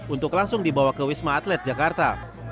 untuk langsung dibawa ke wisma atlet jakarta